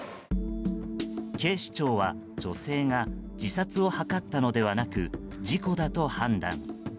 警視庁は女性が自殺を図ったのではなく事故だと判断。